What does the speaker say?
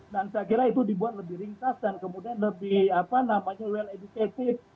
saya kira itu dibuat lebih ringkas dan kemudian lebih apa namanya well educative